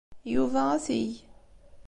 Yuba ad t-yeg.